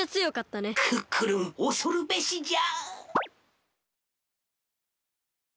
クックルンおそるべしじゃ。